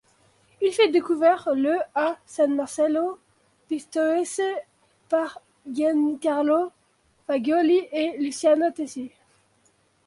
Il fut découvert le à San Marcello Pistoiese par Giancarlo Fagioli et Luciano Tesi.